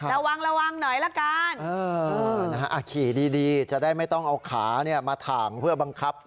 สวัสดีครับ